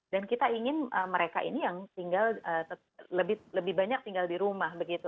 dan kita ingin mereka ini yang tinggal lebih banyak tinggal di rumah begitu